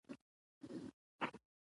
لرې رانه مه ځه.